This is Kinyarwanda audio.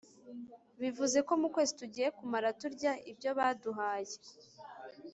bivuze ko mu kwezi tugiye kumara turya ibyo baduhaye,